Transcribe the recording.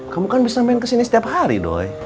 kamu kan bisa main kesini setiap hari doy